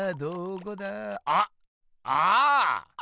あっああ！